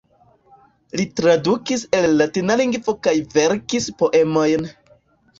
Li tradukis el latina lingvo kaj verkis poemojn.